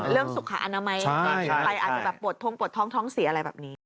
เรื่องสุขาอนามัยก่อนไปอาจจะปวดท้องท้องเสียอะไรแบบนี้